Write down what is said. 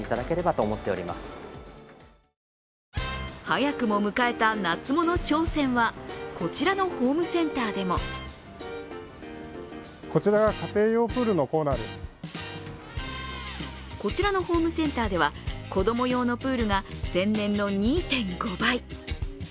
早くも迎えた夏物商戦はこちらのホームセンターでもこちらのホームセンターでは子供用のプールが前年の２．５倍。